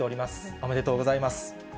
おめでとうございます。